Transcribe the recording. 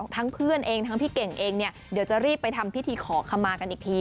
ทั้งเพื่อนเองทั้งพี่เก่งเองเนี่ยเดี๋ยวจะรีบไปทำพิธีขอขมากันอีกที